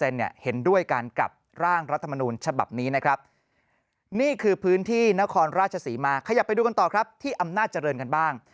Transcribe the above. ๖๔๑๑เนี่ยเห็นด้วยกันกับร่างรัฐมนูลฉบับนี้นะครับนี่คือพื้นที่นครราชสีมาขยับไปดูกันต่อครับที่อำนาจเจริญกันบ้าง